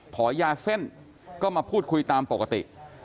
ขอยาเส้นก็มาพูดคุยตามปกติ